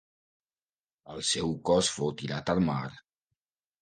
El seu cos fou tirat al mar.